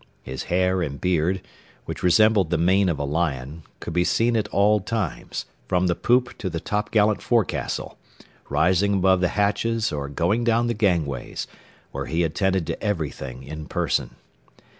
His hair and beard, which resembled the mane of a lion, could be seen at all times, from the poop to the topgallant forecastle, rising above the hatches or going down the gangways, where he attended to everything in person.